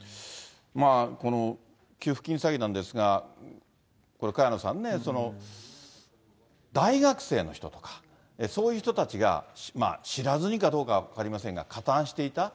この給付金詐欺なんですが、これ、萱野さんね、大学生の人とか、そういう人たちが知らずにかどうか分かりませんが、加担していた。